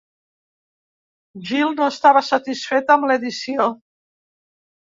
Gil no estava satisfet amb l'edició.